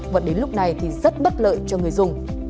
và đến lúc này thì rất bất lợi cho người dùng